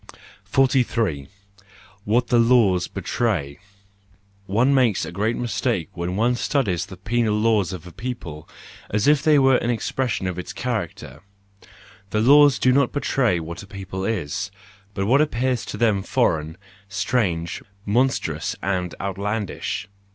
43 What the Laws Betray .—One makes a great mis¬ take when one studies the penal laws of a people, as if they were an expression of its character ; the laws do not betray what a people is, but what appears to them foreign, strange, monstrous, and outlandish.